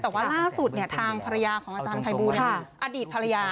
แต่ว่าล่าสุดทางภรรยาของอาจารย์ภัยบูลอดีตภรรยา